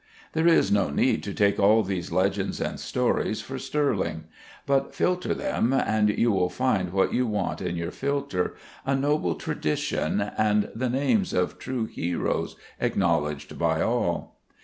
There is no need to take all these legends and stories for sterling; but filter them, and you will find what you want in your filter, a noble tradition and the names of true heroes acknowledged by all.